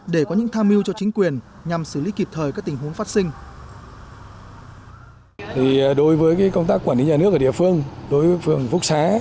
để có những tham mưu cho chính quyền nhằm xử lý kịp thời các tình huống phát sinh